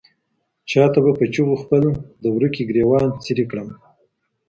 چاته به په چیغو خپل د ورکي ګرېوان څیري کړم